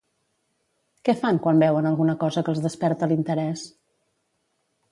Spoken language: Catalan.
Què fan quan veuen alguna cosa que els desperta l'interès?